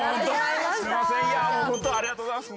いやもうホントありがとうございます。